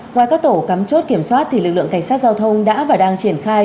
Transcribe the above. ngoài các tổ cắm chốt kiểm soát lực lượng cảnh sát giao thông đã và đang triển khai